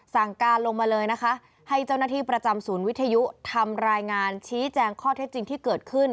สั่งการลงมาเลยนะคะให้เจ้าหน้าที่ประจำศูนย์วิทยุทำรายงานชี้แจงข้อเท็จจริงที่เกิดขึ้น